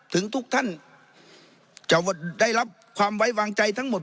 ถึงทุกท่านจะได้รับความไว้วางใจทั้งหมด